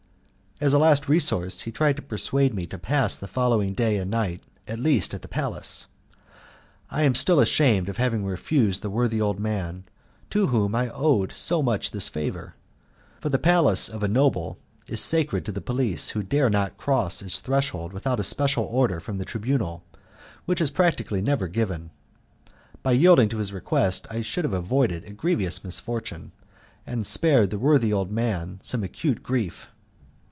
As a last resource he tried to persuade me to pass the following day and night, at least, at the palace. I am still ashamed of having refused the worthy old man to whom I owed so much this favour; for the palace of a noble is sacred to the police who dare not cross its threshold without a special order from the Tribunal, which is practically never given; by yielding to his request I should have avoided a grievous misfortune, and spared the worthy old man some acute grief.